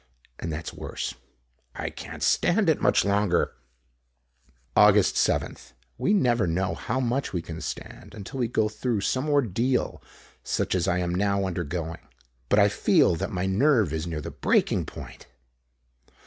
And that's worse. I can't stand it much longer! Aug. 7th. We never know how much we can stand until we go through some ordeal such as I am now undergoing. But I feel that my nerve is near the breaking point.